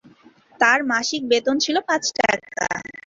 তার মাসিক বেতন ছিল পাঁচ টাকা।